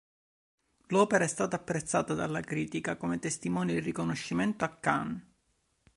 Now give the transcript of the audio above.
L'opera è stata apprezzata dalla critica, come testimonia il riconoscimento a Cannes.